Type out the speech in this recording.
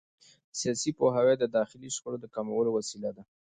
سیاسي پوهاوی د داخلي شخړو د کمولو وسیله ده